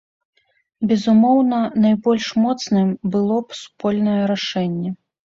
Безумоўна, найбольш моцным было б супольнае рашэнне.